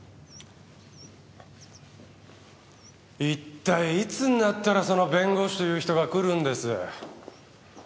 一体いつになったらその弁護士という人が来るんです？